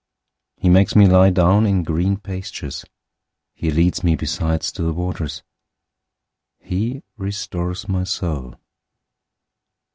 023:002 He makes me lie down in green pastures. He leads me beside still waters. 023:003 He restores my soul.